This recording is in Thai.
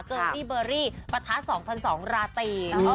เกินที่เบอร์รี่ประทะ๒๐๐๒ราตรี